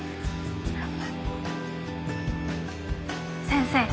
先生。